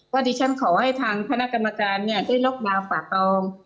ว่าดิฉันขอให้ทางคณะกรรมการได้ลดลาฝ่าป่าตอง